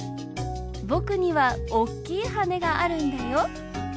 僕には大きい羽があるんだよ。